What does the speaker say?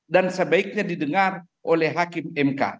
dan sebaiknya didengar oleh hakim mk